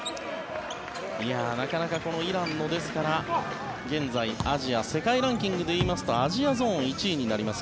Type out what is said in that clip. なかなか、イランもですから現在、世界ランキングでいいますとアジアゾーン１位になります